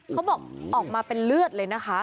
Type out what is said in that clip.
เขาบอกออกมาเป็นเลือดเลยนะคะ